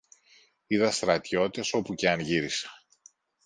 Είδα στρατιώτες όπου και αν γύρισα.